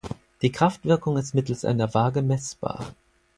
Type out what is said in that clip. Die Kraftwirkung ist mittels einer Waage messbar.